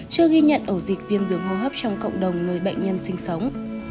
chưa ghi nhận ổ dịch viêm đường hô hấp trong cộng đồng nơi bệnh nhân sinh sống